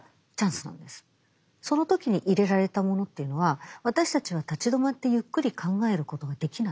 その時に入れられたものというのは私たちは立ち止まってゆっくり考えることができない。